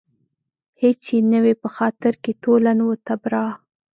هېڅ يې نه وي په خاطر کې تولاً و تبرا